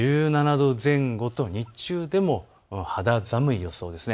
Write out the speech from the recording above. １７度前後と日中でも肌寒い予想です。